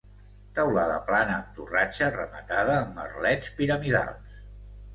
Teulada plana amb torratxa rematada amb merlets piramidals.